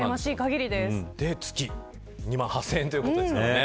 月２万８０００円ということです。